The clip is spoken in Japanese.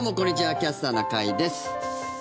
「キャスターな会」です。